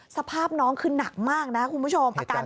สภาพน้องขึ้นหนักมากนะคุณผู้ชมอาการสาหัสเลย